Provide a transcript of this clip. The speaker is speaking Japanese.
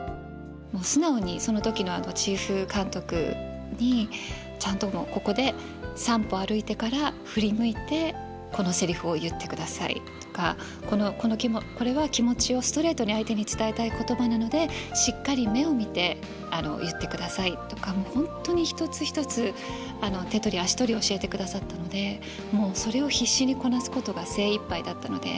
もう素直にその時のチーフ監督にちゃんともう「ここで３歩歩いてから振り向いてこのセリフを言ってください」とか「これは気持ちをストレートに相手に伝えたい言葉なのでしっかり目を見て言ってください」とかもう本当に一つ一つ手取り足取り教えてくださったのでもうそれを必死にこなすことが精いっぱいだったので。